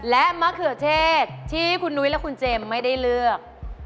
และมะเขือเทศที่คุณนุ้ยและคุณเจมส์ไม่ได้เลือก